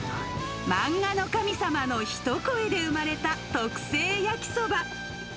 漫画の神様の一声で生まれた特製焼きそば。